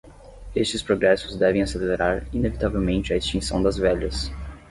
Estes progressos devem acelerar inevitavelmente a extinção das velhas